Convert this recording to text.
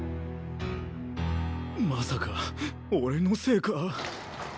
まさか俺のせいか？